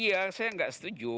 iya saya nggak setuju